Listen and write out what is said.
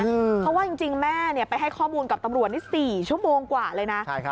เพราะว่าจริงแม่ไปให้ข้อมูลกับตำรวจนี่๔ชั่วโมงกว่าเลยนะ